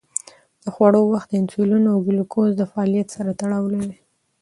د خوړو وخت د انسولین او ګلوکوز د فعالیت سره تړاو لري.